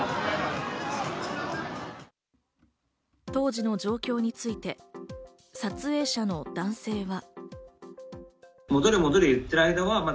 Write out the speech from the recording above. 当時の状況について撮影者の男性は。